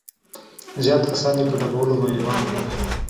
زيات کسان يې په ډبولو معيوبان کړل.